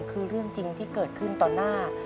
คือเรื่องจริงที่เกิดขึ้นต่อหน้า